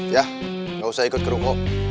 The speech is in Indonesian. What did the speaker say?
ya gausah ikut keruko